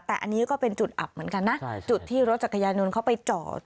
แต่อันนี้ก็เป็นจุดอับเหมือนกันนะจุดที่รถจักรยานยนต์เขาไปจอด